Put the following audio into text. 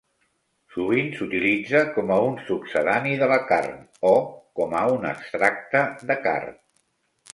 Sovint s'utilitza com a un succedani de la carn o com a un extracte de carn.